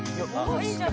「いいじゃん！